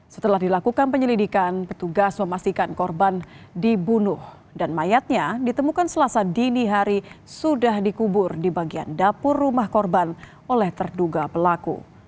setelah dilakukan penyelidikan petugas memastikan korban dibunuh dan mayatnya ditemukan selasa dini hari sudah dikubur di bagian dapur rumah korban oleh terduga pelaku